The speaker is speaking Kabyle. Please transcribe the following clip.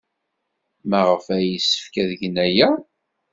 Maɣef ay yessefk ad gen aya?